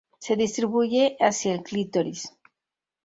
Se distribuye hacia el clítoris.